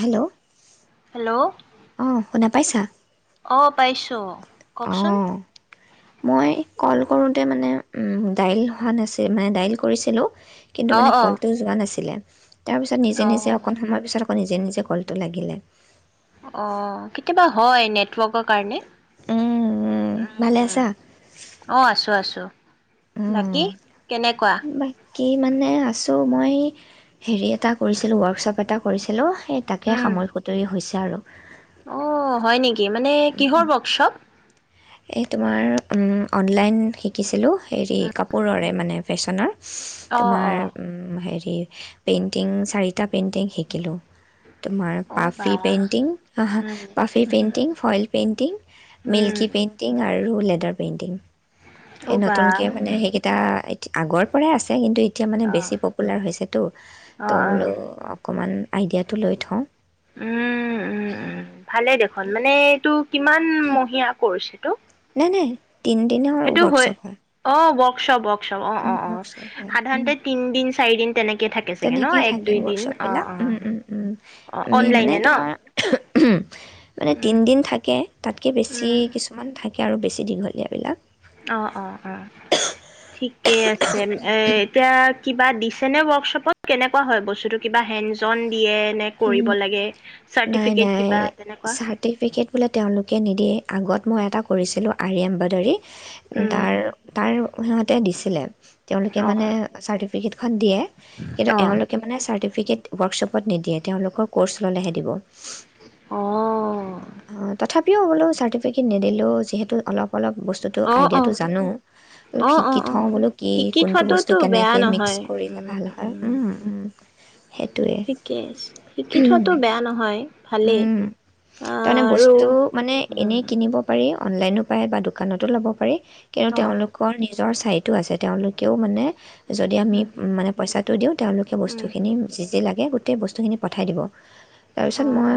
Hello. Hello. অঁ শুনা পাইছা। অঁ, পাইছোঁ। কওকচোন। অ' মই কল কৰোঁতে মানে উম ডায়েল হোৱা নাছিল মানে ডায়েল কৰিছিলোঁ কিন্তু অ মানে অ কলটোও যোৱা নাছিলে তাৰ পিছত নিজে অ নিজে অকণ সময় পিছত [unintelligible] আকৌ নিজে নিজে কলটো লাগিলে অ কেতিয়াবা হয় নেটৱৰ্কৰ কাৰণে উম উম ভালে আছা [unintelligible] অ আছোঁ আছোঁ নাতি কেনেকুৱা কি মানে আছোঁ মই হেৰি এটা কৰিছিলোঁ ৱৰ্কশ্বপ এটা কৰিছিলোঁ সেই তাকে উম। সামৰি সুতৰি হৈছে জাৰো অ হয় নেকি কি মানে কিহৰ ৱৰ্কশপ এই তোমাৰ অনলাইন শিকিছিলোঁ হেৰি কাপোৰৰে মানে ফেশ্বনৰ অ তোমাৰ অ উম হেৰি পেইণ্টিং চাৰিটা পেইণ্টিং শিকিলোঁ ত মাৰ অ বা পাফি পেইণ্টিং উম পাফি পেইণ্টিং ফইল পেইণ্টিং উম মিল্কি পেইণ্টি আৰু লেডাৰ পেইণ্টিং অ এ বা নতুনকে মানে সেইকেইটা আগৰ পৰাই আছে কিন্তু এতিয়া মানে অ বেছি পপুলাৰ হৈছেতো অ তো অ হ'লো অকণমান আইডিয়াটো লৈ থওঁ উম-উম-উম ভালে দেখোন মানে এইটো, - কিমান মহীয়া কৰিছে? টো, নাই-নাই তিনিদিনৰ ৱৰ্কশ্বপ হয়। স্ববক, উম্ ৱৰ্কস্বপ হয়। তিনদিন চাৰিদিন তেনেকে থাকে চাগে ন তেনেক এক থাকে দুই দিন ৱৰ্কশ্বপ অ বিলাক অ উম- উম, অ আমি মানে অনলাইনে ন তোমাৰ মানে উম তিন- দিন থাকে তাতকে বেছি উম কিছুমান থাকে। সেই আৰু বেছি দীঘলীয়াবিলাক। অ', -অ', -অ', ঠিক কে, আছে এ', এতিয়া কিবা দি', আছেনে ৱৰ্কশ্বপত? কেনেকুৱা হয় বস্তুতটো কিবা হেনডজন, নাই চাৰ্টিফিকেট -নাই কিবা তেনেকুৱা চাৰ্টিফিকেট বোলে তেওঁলোকে নিদিয়ে। আগত মই, এটা কৰিছিলোঁ আৰি -এম্ব্ৰইডাৰী। উম তাৰ ', - তাৰ, অহ', সিহঁতে দিছিলে। তেওঁলোকে অ মানে চাৰ্টিফিকেটখন দিয়ে। কিন্তু অ এওঁলোকে মানে চাৰ্টিফিকেট, - দিকেট ৱৰ্কশ্বপত নিদিয়ে। তেওঁলোকৰ ক'ৰ্চ ল'লেহে দিব। অ', অ তথাপি, পিও'হলোঁ চাৰ্টিফিকেট নিদিলেও যিহেতু অলপ, অলপ বস্তুটো অ অ আইডিয়াটো জানো অলপ অ অ শিকি অ থওঁ বোলো কি শিকি কোনটো বস্তু থোৱাটোতো বেয়া কেনেকৈ মিক্স নহয় কৰিলে উম ভাল হয়। উম উম্ উম - উম্ সেইটোৱে। ঠিকে আছে শিকি থোৱাতো বেয়া নহয় ভালেই, উম তাৰমানে আহ', আৰু বস্তু মানে এনেই উম্, কিনিব পাৰি অনলাইনো পায় বা দোকানতো ল'ব পাৰি। কেও অ তেওঁলোকৰ নিজৰ ছাইটো আছে, তেওঁলোকেও মানে, যদি আমি উম মানে পইচা, টো, দিও, - তেওঁলোকে উম বস্তুখিনি যি', - যি', লাগ, এ ', গোটেই বস্তুখিনি, - পঠাই দিব, অ তাৰপিছত মই,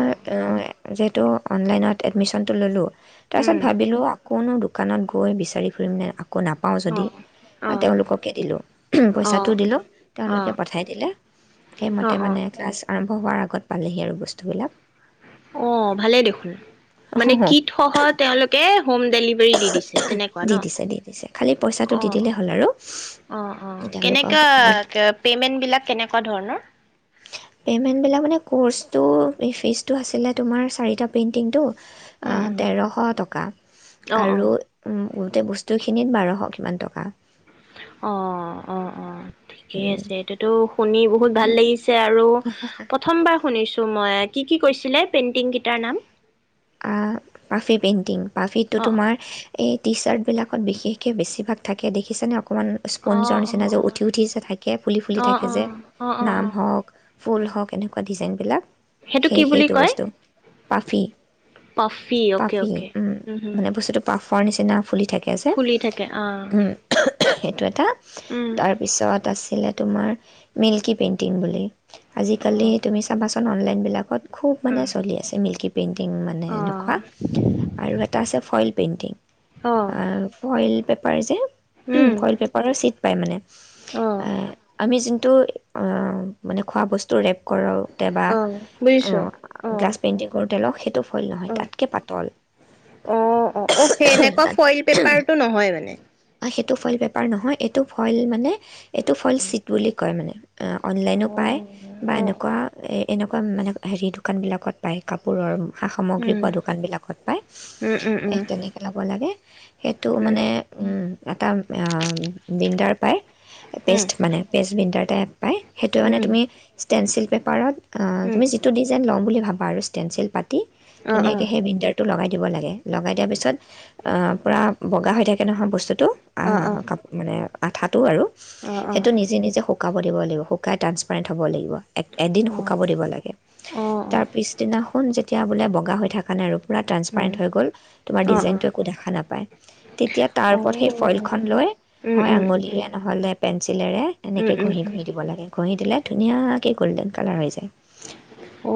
যিহেতু, অনলাইনত এডমিশনটো ল'লোঁ। তাৰ পিছত উম ভাবিলো, আকৌনো দু, দোকানত গৈ', বিচাৰি ফুৰিমনে আকৌ, একৌ নাপাওঁ অ যদি, অ অ তেওঁলোককে দিলোঁ, পইচাটো দিলোঁ, অ তেওঁলোকে পঠাই দিলে। অ সেইমতে অ মানে ক্লাছ আৰম্ভ হোৱাৰ আগত পালেহি আৰু বস্তুবিলাক। অ' ভালেই দেখোন, মানে অ', কিট সহ তেওঁলোকে হোম ডেলিভাৰী দি দিছে, তেনেকুৱা দি ন দিছে দি দিছে খালি পইচাটো দি অ' দিলেই হ'ল আৰু তেওঁলোকক অ'কেনেকুৱা পেমেণ্ট বিলিক তেনেকোৱা ধৰণৰ। পেমেণ্ট বিলাক মানে কৰ্চ্ছটো ফিছ টো আছিলে তোমাৰ চাৰিটা পেণ্ডিং টো উম উম তেৰশ টকা, অ অ আৰু গোতেই বস্তু বস্তুখিনিত বাৰশ কিমান টকা। অ' অ' অ' ঠিকেই আছে, এইটো টো শুনি বহুত ভাল লাগিছে আৰু আৰু প্ৰথমবাৰ শুনিছো। তো মই কি কি কৈছিলে পেইন্টিং কেইটাৰ নাম? আ পাফি পেইণ্টিং পাফিটো অ', অ'। তোমাৰ এই টি চাৰ্ট বিলাকত বিশেষকৈ বেছিভাগ থাকে দেখিছেনে? অকণমান স্পঞ্জৰ অ', অ', নিচিনা অ', যে উঠি উঠি যে থাকে, ফুলি ফুলি অ', থাকে যে, অ', অ', অ', নাম অ', হওক ফুল হওক এনেকুৱা ডিজাইন। বিলাক সেই কি বুলি সেইটো কয় বস্তু। পাফি। পফি, অ'কে অ'কে উম হু ফৰ নিচিনা ফুলি থাকে যে অ', উম সেইটো এটা উম, তাৰপিছত তাত আছিলে তোমাৰ মিল্কী পেইণ্টিং বুলি আজিকালি অ', তুমি চাবাচোন অনলাইনবিলাকত খুব মানে উম, চলি আছে মিল্কী পেইনটিং নে অ', এনেকোৱা আৰু এটা আছে ফইলট পেইণ্টিং। অ', আৰু কইল বেপাৰী যে উম, ফইল পেপাৰৰ চিত পায় মানে অ', আমি টো মানে খোৱা বস্তু ৰেপ কৰাও কেতিাবা অ', বুজিছো অ', গ্লাছ পেইণ্টিঙ কৰোঁ তেলক সেইটো নহয় অ', তাতকে পাতল অ', অ', অ', সেই এনেকুৱা তাত ফইল পেপাৰটো নহয় মানে অ সেইটো এইটো ফইল বেপাৰ নহয় এইটো ফইল মানে এইটো ফল চিট বুলি কয় মানে অনলাইনো পায় বা অ', অ', এনেকুৱা নে মানে হেৰি দোকানবিলাকত পায় কাপোৰৰ সা সামগ্ৰী উম, পোৱা দোকানবিলাকত পায় উম উম এই তেনেকৈ ল'ব লাগে সেইটো উম মানে উম এটা অ বিণ্ডাৰ পায় উম বেষ্ট মানে বেষ্ট বিণ্ডাৰ তেত পায় সেইটোমানে উম তুমি ষ্টেট চিল পেপাৰত উম তুমি যিটো ডিজাইন লও বুলি ভাবা ভাবা আৰু ষ্টেনঞ্চিল পা অ অ ধুনীয়াকে সেই বিণ্ডাৰটো লগাই অ লগাই দিব লাগে, লগাই দিয়া পিছত পুৰা বগাহৈ থাকে নহয় বস্তুটো বস্তুটো অ অ কাপ মানে আঠাত সেইটো আৰু অ সেইটো নিজে নিজে শুকাব দিব লাগিব শুকাই ট্ৰাঞ্চপেৰেণ্ট' হব লাগিব এদিন অ শুকাব দিব লাগে অ অ অ তাৰ পিছদিনাখন যে এতিয়া বোলে বগা হৈ থকা নাই আৰু পূৰা ট্ৰান্সপাৰেণ্ট উম হৈ গ'ল তোমাৰ অ অ ডিজাইনটো একো দেখা নাপায় তেতিয়া তাৰ অ উম ওপৰত সেই উম ফইলখন লৈ উম হয় উম আঙুলিৰে নহ'লে চিলেৰে এনেকে উম ঘঁহি উম ঘঁহি দিব লাগে ঘঁহি দিলে ধুনীয়া এই গ'ল্ডেন কালাৰ হৈ যায় অ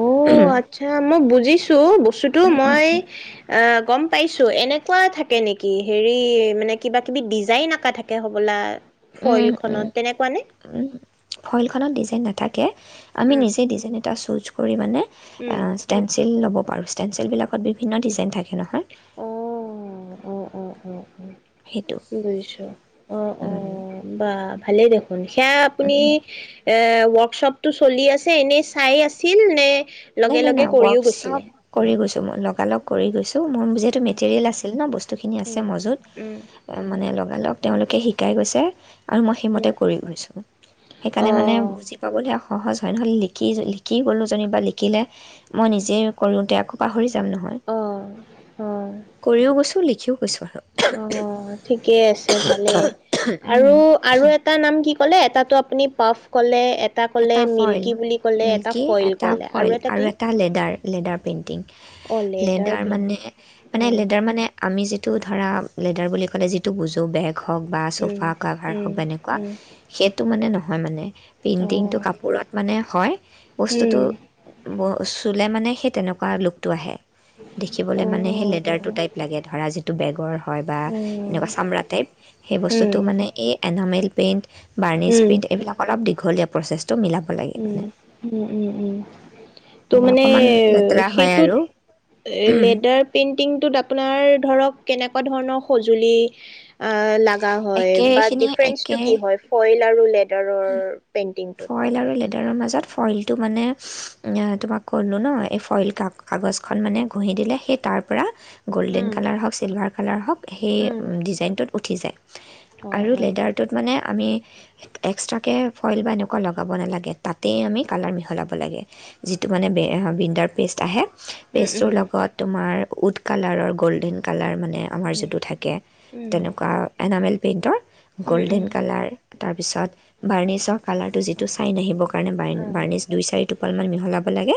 আচ্ছা মই বুজিছো টো বস্তুটো মই এ গম পাইছো এনেকুৱা থাকে নেকি হেৰি মানে কিবা কিবি ডিজাইন আঁকা থাকে হ'বলা ফইলখনত তেনেকুৱা নে? ফইলখনত ডিজাইন নাথাকে আমি উম নিজে ডিজাইন এটা চুজ কৰিবা নে? অ উম ষ্টেন্সিল ল'ব অ ষ্টেন্সিল বিলাকত বিভিন্ন ডিজাইন থাকে সি নহয় অ অ অ সেইটো দুইশ অ অ বা ভালেই দিয়ক সেইয়া আপুনি এ ৱৰ্কশ্বপটো চলি আছে এনেই চাই আছিল নে নাই লগে নাই লগে নাই কৰিও গৈছিলে ৱৰ্কশ্বপ কৰি গৈছো মই লগা লগ কৰি গৈছো ত' মোৰ যিহেতু মেটেৰিয়েল আছিল ন বস্তুখিনি আছে উম মজুত উম মানে লগালগ তেওঁলোকে শিকাই গৈছে আৰু মই সেইমতে উম কৰি গৈছো সেইকাৰণে মানে অঁ বুজি পাবলৈ আউ সহজ হয় নহলে লিখি য লিখি গ'লো যেনিবা লিখি শিকিলে মই নিজেই কৰোঁতে আকৌ পাহৰিছোঁ তেওঁ নহল অঁ কৰিও গৈছোঁ লিখিও কৈচোৱা অ ঠিকে আছে ভালেই আৰু আৰু এটা নাম কি? কলে এটাটো আপুনি পাফ ক'লে এটা। এটা কলে মিল্কি বুলি ক'লে এটা মিল্কী ফইল এটা কলে ফইল আৰু এটা কি লেডাৰ লেডাৰ পেইণ্টিং। অঁ লেডাৰ মানে পেইণ্টিং মানে উম লেডাৰ মানে। আমি যিটো ধৰা লেডাৰ বুলি ক'লে যিটো বুজোঁ বেগ। খক বা উম চোফা কাভাৰ উম হওক, বা এনেকুৱা। উম সেইটো, মানে, নহয়। মানে, প্ৰিণ্টিং অঁ টো কাপোৰত, মানে, হয়। বস্তুটো উম চুলে, মানে সেই, তেনেকুৱা লোকটো আহে দেখিবলে, মানে, সেই লেটাৰটো উম টাইপ লাগে। ধৰা, যি এইটো বেগৰ হয়, বা উম এনেকুৱা চামৰা টাইপ। সেই বস্তুটো, মানে, উম এই এনামেল পেইণ্ট বাৰ্নিছ পেইণ্ট, এইবিলাক অলপ দীঘলীয়া প্ৰচেষ্ট উ, উ, উম, উম। ত', মানে, অকণমান লেতেৰা হয় সেইটোত আৰু লেডাৰ পেইণ্ট ণ্টিংটোত আপোনাৰ, ধৰক, কেনেকুৱা ধৰণৰ সজুলি, আঁ লাগে লাগা হয়, বা একেখিনি ডিফাৰেঞ্চটো কি একে হয়? ফইল লাৰু [unintelligible] [unintelligible] পেইণ্টিংটোত ফইল আৰু লেডাৰৰ মাজত ফইলটো, মানে, তোমাক ক'লোঁ ন। এই ফইল কাগজখন, মানে, ঘঁহি দিলে, সেই তাৰ পৰা গ'ল্ডেন উম কালাৰ হওক, চিলভাৰ কালাৰ হওক সেই উম ডিজাইনটোত উঠি যায় অ আৰু অ লেডাৰটোত মানে আমি [inaudible] এক্সট্ৰাকে ফইল বা এনেকুৱা লগাব নালাগে। তাতেই আমি কালাৰ মিহলাব লাগে, যিটো, মানে, বে আ বিণ্ডাৰ পেষ্ট আহে উম উম পেষ্টৰ লগত, তোমাৰ উড কালাৰৰ গ'ল্ডেন কালাৰ মানে, আমাৰ উম যিটো থাকে, উম তেনেকুৱা এনামেল পেইণ্টৰ উম গ'ল্ডেন উম কালাৰ, তাৰ পিছত বাৰ্নিছৰ কালাৰটো, যিটো চাইন আহিবৰ কাৰণে, বাৰ অ বাৰ্নিছ, দুই-চাৰি টোপালমান মিহলাব লাগে।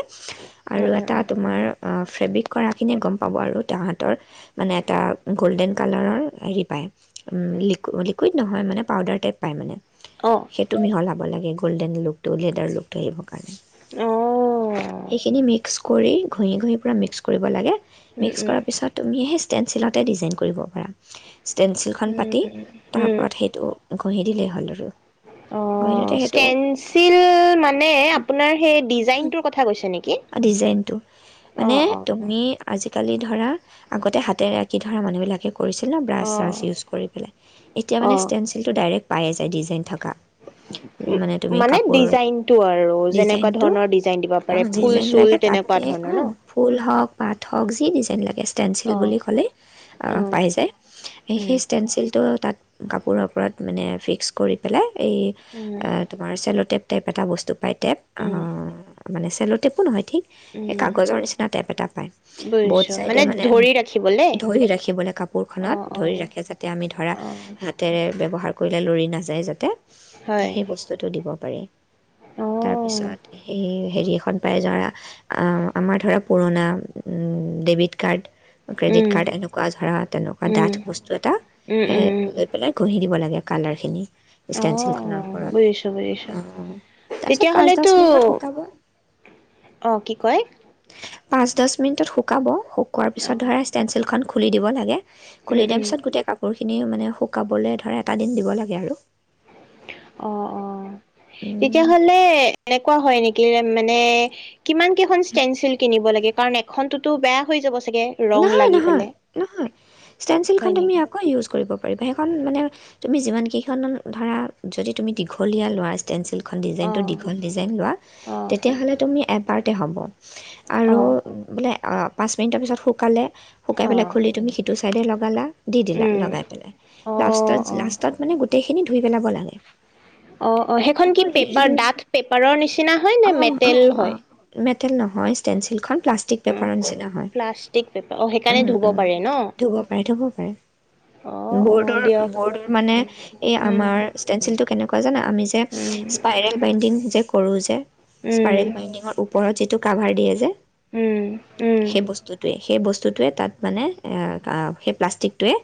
অ অ আৰু এটা, তোমাৰ আ, ফেব্ৰিক কৰাখিনিয়ে গম পাব। আৰু তাহঁতৰ, মানে, এটা গ'ল্ডেন কালাৰৰ হেৰি পায়। লি, লিকুইড নহয়, মানে, পাউদাৰ টাইপ পায় অ অ অ সেইটো মিহলাব লাগে গ'ল্ডেন লুকটো, লেডাৰ লুকটো আহিব সেইখিনি মিক্স কৰি ঘঁহি ঘঁহি পূৰা মিক্স কৰিব লাগে। উম মিক্স কৰাৰ উম পিছত তুমিহে ষ্টেঞ্চিলতে ডিজাইন কৰিব পাৰা। ষ্টেনঞ্চিলখন পাতি উম তাৰ উম ওপৰত সেইটো ঘঁহি দিলে অ' ষ্টেনঞ্চিল মানে আপোনাৰ সেই ডিজাইনটোৰ কথা কৈছে নেকি ডিজাইনটো অ অ অ কালি ধৰা আগতে হাতেৰে আঁকি ধৰা মানুহবিলাকে কৰিছিল ন ব্ৰাছ অ ছাৰ্চ ইউচ্ কৰি পেলে এতিয়া অ অ মানে ষ্টেিনছীলটো ডাইৰেক পাই আছে দ্বিজেন। তে থা [inaudible] মানে তুমি মানে কাপোৰ ডিজাইনটো আৰু যেনেকুৱা ডিজাইনটো ধৰণৰ ডিজাইন দিব তাৰ পাৰে মানে ফুল ডিজাইন চুল লাগে তেনেকুৱা তাতে ধৰণৰ ন? ফুল হক পাত হক যি দিছে তেন লাগেছে ষ্টেনঞ্চিল অ বুলি ক'লে অ পাই যায় উম সেই ষ্টেনচিলটো তাত কাপোৰৰ ওপৰত মানে ফিক্স কৰি বাললে [inaudible] এই উম তোমাৰ চেলতেেপ টেপ এটা বস্তু পাইটেপ অ উম মানে চেল টপো নহয় কি এই উম কাগজৰ নিচিনা টেপ এটা পায় বড বুজিছো চাইডে মানে ধৰি ৰাখিবলে ধৰি ৰাখিবলৈ অ কাপোৰখনত অ ধৰি ৰাখে যাতে আমি ধৰা অ হাতেৰে ব্যৱহাৰ কলা লৰি নাযায় জানো হয় সেই বস্তুটো দিব পাৰি অ তাৰ পিছত সেই হেৰি এখন পাই যৰা আমাৰ ধৰা পুৰণা ডেবিট কাৰ্ড ক্ৰেডিট উম কাৰড এনেকুৱা ধৰা তেনেকুৱা ডাঠ উম বস্তু এটা উম হে উম উম লৈ পেলাই ঘহি দিব লাগে এ কালাৰখিনি অ অ ষ্টেনচিলখনৰ বুজিছো বুজিছো ওপৰত অ তাৰপিছত পাঁচ তেতিয়াহ'লেতো দহ মিনিটত শুকাব অ' কি কয়? পাঁচ দহ মিনিটত শুকাব কোৱাৰ পিছত অ ধৰা ষ্টেনঞ্চিলখন খুলি দিব লাগে উম খুলি দিয়াৰ উম পিছত গোটেই কাপোৰিখিনি ইখিনি মানে শুকাবলৈ ধৰা এটা দিন দিব লাগে আৰু অ' অ' আৰু তেতিয়াহলে এনেকে কোৱা হয় নেকি মানে কিমান কেইখন ষ্টেনচিল কিনিব লাগে কাৰণ এখনতোতো বেয়া হৈ যাব। চাগে ৰং নহয় লাগি নহয় পেলাই নহয় ষ্টেচিলখন হয় তুমি নেকি আকৌ ইউজ কৰিব পাৰিবা সেইখন মানে তুমি যিমান কেইখনমান ধাৰা যদি তুমি দীঘলীয়া ল'ৰাজটেনঞ্চেল এখন অ ডিজাইনটো দীঘল ডিজাইন লোৱা, অ তেতিয়াহ'লে তুমি এপ পাৰতে হ'ব। অ আৰু বোলে পাঁচ মিনিট পিছ শু কালে শুকাই অ পেলাই খুলি তুমি হেটো চাইড লৌক গালা দি দিলা উম লগাই পেলাই অ অ লাষ্টত-লাষ্টত মানে গ গোটেইখিনি ধুই পেলাব লাগে। অ'-অ' সেইখন আকৌ কি পেপাৰ ৰিউজ ডাঠ পেপাৰৰ নিচিনা হয় নে মেটেল হয়? হেল নহয় ষ্টেনচিল খখন প্লাষ্টিক বেপাৰৰচিনা হয়। প্লাষ্টিক পেপাৰ অ সেইকাৰণে ধুব উম-উম পাৰে ন ধুব পাৰে ধুব পাৰে অ অ দিয়ক বৰ্ডৰ-বৰ্ডৰ মানে উম এই উম আমাৰে। টো কেনেুৱা জানা আমি যে উম স্পাইৰেল বাইণ্ডিং যে কৰোঁ যে উম স্পাইৰেল মাইনিৰ'। ওপৰত যিটো কাভাৰ দিয়ে যে'। উম-উম সেই বস্তুটোৱে সেই বস্তুটোৱে তাত মানে সেই প্লাষ্টিক টোৱে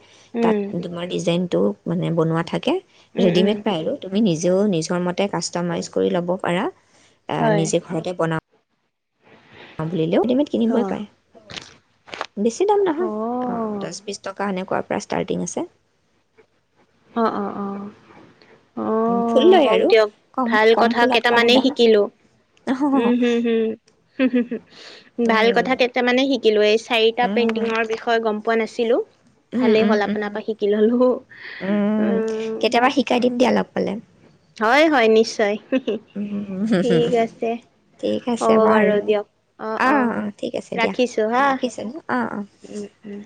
তাত উম তোমাৰ ডিজাইনটো'। মানে বনোৱা থাকে'। উম উম ৰেডিমেড পাই আৰু তুমি নিজ নিজেও নিজৰ মতে কাষ্টমাইজ কৰি ল'ব পাৰা। আহ হয় নিজে ঘৰতে বনাওঁ বুলিলেও ডিমট কিনিবই অ', পাৰে, বেছি দাম অ', নহয়, অ দহ বিশ টকা এনেকুৱা। প্ৰ ষ্টাৰ্টিং আছে অ'-অ'-অ' ফুল আহ লয় হওক আৰু দিয়ক কম ভাল কম কথা ফুলত কম কেইটামানেই দাম শিকিলো উম, উম-হম-হম হুম-হু-হু ভাল কথা কেইতি মানে শিকিলো' এই চাৰিটা উম, পেইন্টিংৰ বিষয়ে গম প। পোৱা নাছিলোঁ। উম, ভালেই উম, হ'ল, আপোনাৰ উম, পৰা শিকি ললোহ। উম কেতিয়াবা শিকাই দিম দিয়া লগ পালে। হয় হয় নিশ্চয়। হোহি, উম, ঠিক আছে। ঠিক আছে বাৰু। অ, অ ঠিক আছে দিয়া। ৰাখিছোঁ হা, ৰাখিছ ন, অ, অ উম, উম।